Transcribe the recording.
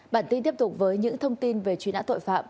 bản tin tiếp tục với những thông tin về truy nã tội phạm